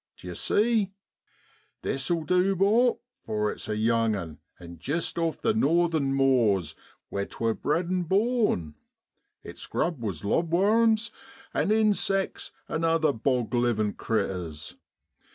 D'ye see ? This'll du, 'bor, for it's a young'un, an' jist off the northern moors where 'twere bred an' born, its grub was lob worams an' insex an' other bog livin' critters.